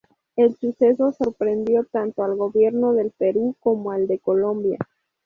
El suceso sorprendió tanto al gobierno del Perú como al de Colombia.